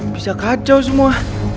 bisa kacau semua